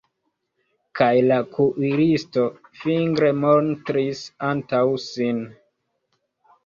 Kaj la kuiristo fingre montris antaŭ sin.